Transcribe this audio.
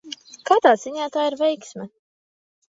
Kādā ziņā tā ir veiksme?